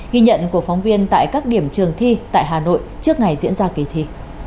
ghi nhận của phóng viên tại các điểm trường thi tại hà nội trước ngày diễn ra kỳ thi